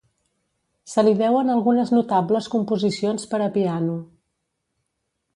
Se li deuen algunes notables composicions per a piano.